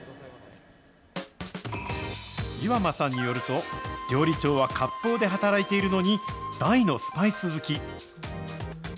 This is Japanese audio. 岩間さんによると、料理長はかっぽうで働いているのに、大のスパイス好き。